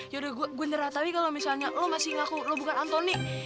ya udah gue nyerah tapi kalau misalnya lo masih ngaku lo bukan antoni